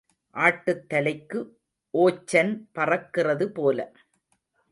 ஆட்டுத்தலைக்கு ஓச்சன் பறக்கிறது போல.